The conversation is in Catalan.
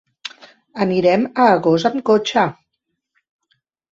Anirem a Agost amb cotxe.